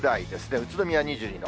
宇都宮２２度。